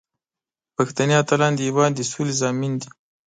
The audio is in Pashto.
پښتني اتلان د هیواد د سولې ضامن دي.